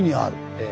ええ。